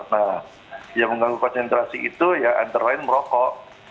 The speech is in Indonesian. nah yang mengganggu konsentrasi itu ya antara lain merokok